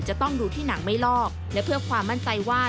จะต้องดูที่หนังไม่ลอกและเพื่อความมั่นใจว่า